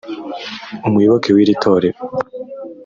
umuyoboke w iri torero